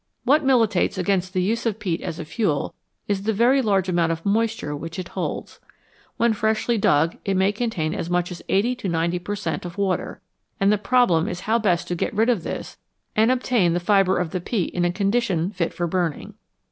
What militates against the use of peat as a fuel is the very large amount of moisture which it holds. When freshly dug it may contain as much as 80 to 90 per cent, of water, and the problem is how best to get rid of this and obtain the fibre of the peat in a condition fit for burning.